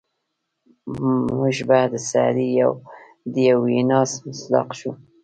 موږ به د سعدي د یوې وینا مصداق شو.